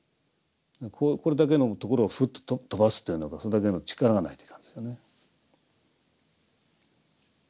これだけのところをふっと飛ばすというのがそれだけの力がないといかんですよね。